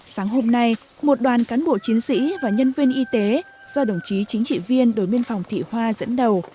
sáng hôm nay một đoàn cán bộ chiến sĩ và nhân viên y tế do đồng chí chính trị viên đối biên phòng thị hoa dẫn đầu